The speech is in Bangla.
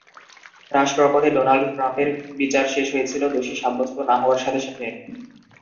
রাষ্ট্রপতি ডোনাল্ড ট্রাম্পের বিচার শেষ হয়েছিল দোষী সাব্যস্ত না হওয়ার সাথে সাথে।